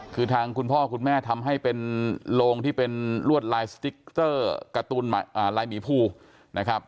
คือทางคุณพ่อคุณแม่ทำให้เป็นโลงที่เป็นลวดลายสติ๊กเตอร์การ์ลายหมีภูนะครับ